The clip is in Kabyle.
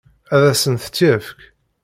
Ad asent-tt-yefk?